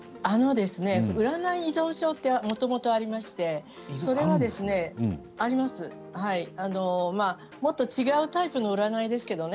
占い依存症というがもともとありましてもっと違うタイプの占いですけれどもね